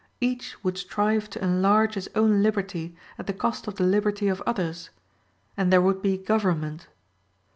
Each would strive to enlarge his own liberty at the cost of the liberty of others, and there would be government.